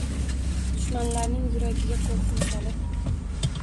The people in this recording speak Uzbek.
Dushmanlarning yuragiga ko’rkuv solib